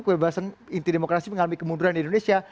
kebebasan inti demokrasi mengalami kemunduran di indonesia